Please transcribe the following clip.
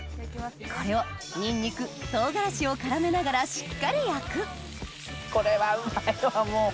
これをニンニク唐辛子を絡めながらしっかり焼くこれはうまいわもう。